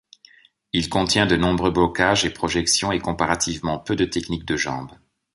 Il contient de nombreux blocages et projections et comparativement peu de techniques de jambe.